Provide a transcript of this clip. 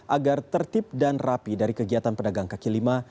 agar tertib dan rapi dari kegiatan pedagang kaki lima